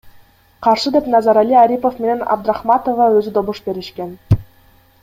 Каршы деп Назарали Арипов менен Абдрахматова өзү добуш беришкен.